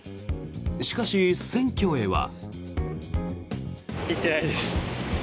しかし、選挙へは。